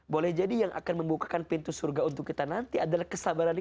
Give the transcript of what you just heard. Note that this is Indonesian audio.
boleh jadi yang akan membukakan pintu surga untuk kita nanti adalah kesabaran kita